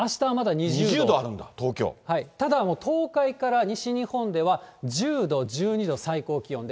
２０度あるんだ、ただもう東海から西日本では、１０度、１２度、最高気温で。